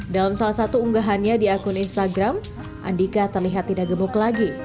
dalam salah satu unggahannya di akun instagram andika terlihat tidak gemuk lagi